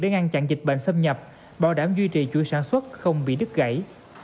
để ngăn chặn dịch bệnh xâm nhập bảo đảm duy trì chuỗi sản xuất không bị đứt gãy